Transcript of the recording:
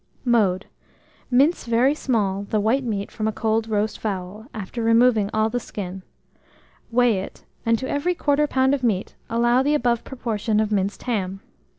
Mode. Mince very small the white meat from a cold roast fowl, after removing all the skin; weigh it, and to every 1/4 lb. of meat allow the above proportion of minced ham.